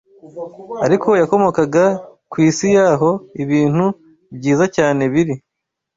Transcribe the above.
Ariko yakomokaga kwisiaho ibintu byiza cyane biri